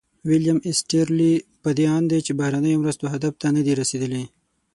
ویلیم ایسټیرلي په دې اند دی چې بهرنیو مرستو هدف ته نه دي رسیدلي.